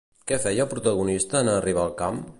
Què feia el protagonista en arribar al camp?